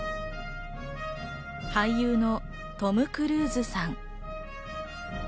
俳優のトム・クルーズさん。